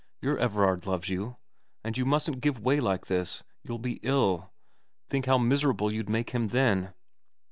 Your Everard loves you, and you mustn't give way like this. You'll be ill. Think how miserable you'd make him then.'